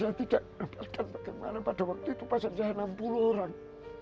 seandainya saya tidak mendapatkan bagaimana pada waktu itu pas saja enam puluh orang